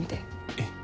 えっ。